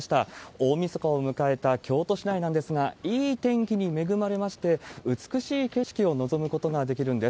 大みそかを迎えた京都市内なんですが、いい天気に恵まれまして、美しい景色を臨むことができるんです。